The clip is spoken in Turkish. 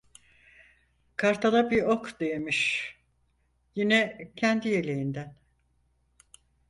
Kartala bir ok değmiş, yine kendi yeleğinden.